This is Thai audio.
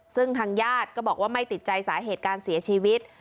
ซึ่งทางญาติก็บอกว่าไม่ติดใจสาเหตุการเสียชีวิต